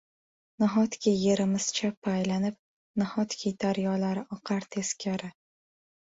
Nahotki yerimiz chappa aylanib, nahotki daryolar oqar teskari.